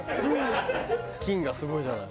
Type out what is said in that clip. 金がすごいじゃない。